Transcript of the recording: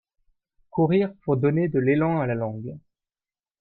courir pour donner de l'élan à la langue.